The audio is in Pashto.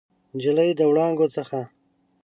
نجلۍ د وړانګو څخه